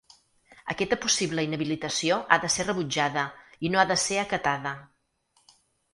Aquesta possible inhabilitació ha de ser rebutjada i no ha de ser acatada.